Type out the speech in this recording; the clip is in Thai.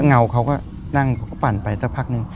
เงาเขาก็นั่งปั่นไปสักพักหนึ่ง